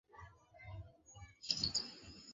কতদিন ধরে উনার সমাধি আপনি পাহারা দিচ্ছো?